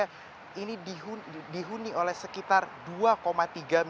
supaya asosiasi ini dapat memberikan keuntungan kepada negara negara yang berada di pesisir samudera india